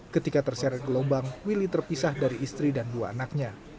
ketika terseret gelombang willy terpisah dari istri dan dua anaknya